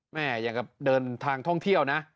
แม่อย่างกับเดินทางท่องเที่ยวนะ